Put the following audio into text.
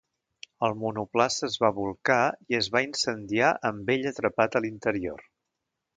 El monoplaça es va bolcar i es va incendiar amb ell atrapat a l'interior.